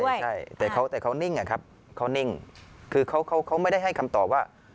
ไม่ใช่แต่เขาแต่เขานิ่งอะครับเขานิ่งคือเขาเขาไม่ได้ให้คำตอบว่า